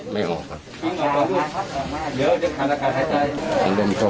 และน้องขอโทษที่เขาช่วยพวกเขา